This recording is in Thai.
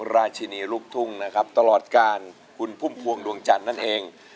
ราชินีลูกทุ่งนะครับตลอดกาลคุณพุ่มพวงดวงจันทร์นั่นเอง